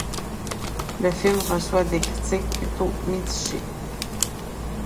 Le film reçoit des critiques plutôt mitigées.